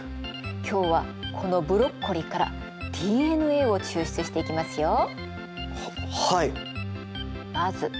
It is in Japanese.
今日はこのブロッコリーからＤＮＡを抽出していきますよ。ははい。